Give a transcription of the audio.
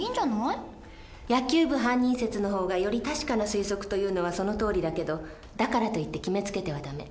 野球部犯人説の方がより確かな推測というのはそのとおりだけどだからといって決めつけては駄目。